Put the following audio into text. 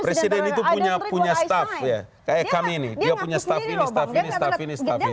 presiden itu punya staff ya kayak kami ini dia punya staff ini staff ini staff ini staff ini